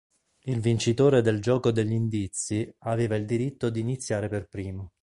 Il vincitore del "Gioco degli indizi" aveva il diritto di iniziare per primo.